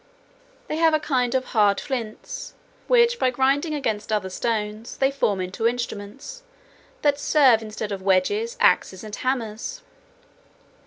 They have a kind of hard flints, which, by grinding against other stones, they form into instruments, that serve instead of wedges, axes, and hammers.